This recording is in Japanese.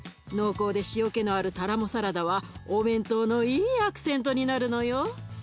濃厚で塩けのあるタラモサラダはお弁当のいいアクセントになるのよ。